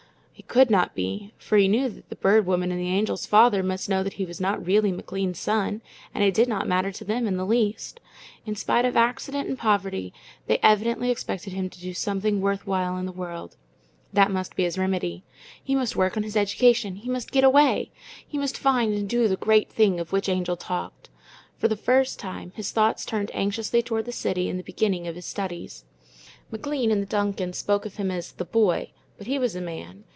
It could not be, for he knew that the Bird Woman and the Angel's father must know that he was not really McLean's son, and it did not matter to them in the least. In spite of accident and poverty, they evidently expected him to do something worth while in the world. That must be his remedy. He must work on his education. He must get away. He must find and do the great thing of which the Angel talked. For the first time, his thoughts turned anxiously toward the city and the beginning of his studies. McLean and the Duncans spoke of him as "the boy," but he was a man.